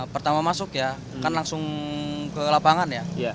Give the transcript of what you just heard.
pertama masuk ya kan langsung ke lapangan ya